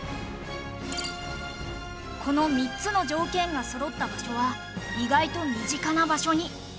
この３つの条件がそろった場所は意外と身近な場所に。